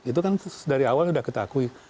itu kan dari awal sudah kita akui